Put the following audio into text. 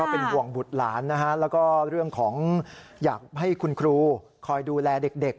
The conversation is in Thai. เป็นห่วงบุตรหลานนะฮะแล้วก็เรื่องของอยากให้คุณครูคอยดูแลเด็ก